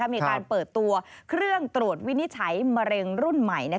มีการเปิดตัวเครื่องตรวจวินิจฉัยมะเร็งรุ่นใหม่